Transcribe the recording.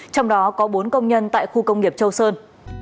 trong đó có bốn công nhân tại khu công nghiệp châu sơn